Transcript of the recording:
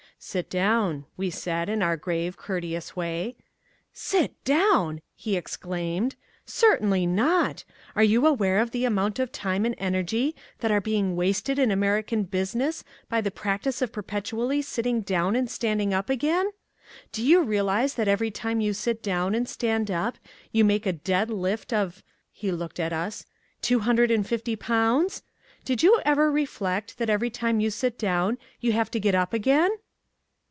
"Sit down," we said, in our grave, courteous way. "Sit down!" he exclaimed, "certainly not! Are you aware of the amount of time and energy that are being wasted in American business by the practice of perpetually sitting down and standing up again? Do you realize that every time you sit down and stand up you make a dead lift of" he looked at us, "two hundred and fifty pounds? Did you ever reflect that every time you sit down you have to get up again?"